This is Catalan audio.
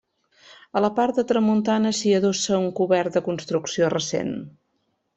A la part de tramuntana s'hi adossa un cobert de construcció recent.